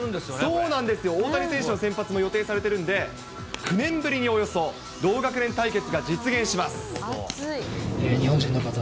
そうなんですよ、大谷選手の先発も予定されているんで、９年ぶりにおよそ、同学年対決が実現します。